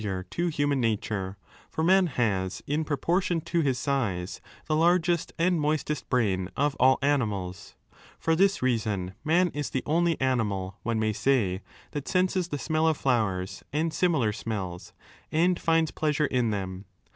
176 Aristotle's pstcholoot Dvanrou human nature, for man has, in proportion to his size, the largest and moistest brain of all animals. For this reason man is the only animal, one may say, that senses the smell of flowers and similar smells, and finds pleasure in them.